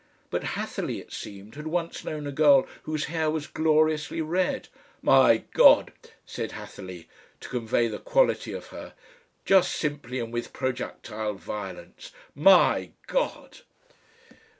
But Hatherleigh, it seemed, had once known a girl whose hair was gloriously red. "My God!" said Hatherleigh to convey the quality of her; just simply and with projectile violence: "My God!"